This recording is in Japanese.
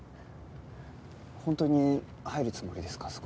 本当に入るつもりですか？